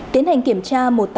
tiến hành kiểm tra một tạp hòa